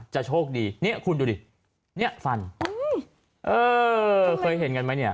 จะโชคดีนี่คุณดูดินี่ฟันเคยเห็นกันไหมเนี่ย